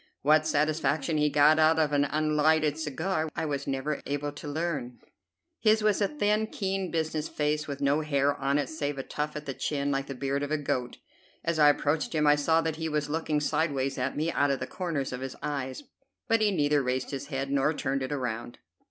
What satisfaction he got out of an unlighted cigar I was never able to learn. His was a thin, keen, business face, with no hair on it save a tuft at the chin, like the beard of a goat. As I approached him I saw that he was looking sideways at me out of the corners of his eyes, but he neither raised his head nor turned it around.